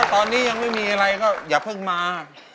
ตอนนี้ยังไม่มีอะไรก็อย่าเพิ่งมา